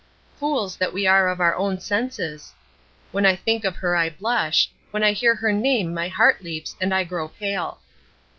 Fools that we are of our own senses! When I think of her I blush; when I hear her name my heart leaps, and I grow pale.